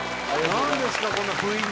何ですかこんな不意に。